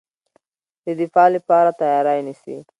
د دفاع لپاره تیاری نیسي.